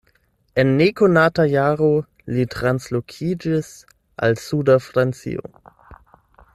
En nekonata jaro li translokiĝis al suda Francio.